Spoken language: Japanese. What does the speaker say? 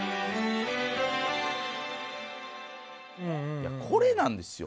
いやこれなんですよ